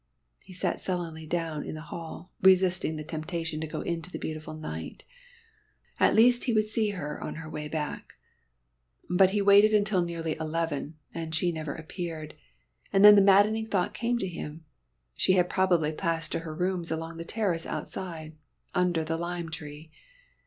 He sat sullenly down in the hall, resisting the temptation to go into the beautiful night. At least he would see her on her way back. But he waited until nearly eleven, and she never appeared, and then the maddening thought came to him she had probably passed to her rooms along the terrace outside, under the lime tree.